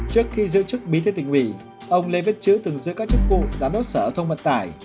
trước khi giữ chức bí thư tỉnh ủy ông lê viết chữ từng giữ các chức vụ giám đốc sở thông vận tải